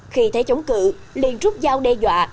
khi thấy chống cự liền rút dao đe dọa